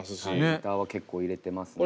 ギターは結構入れてますね。